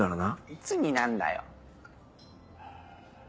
いつになんだよ。